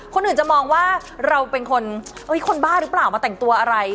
คนอื่นจะมองว่าเราเป็นคนคนบ้าหรือเปล่ามาแต่งตัวอะไร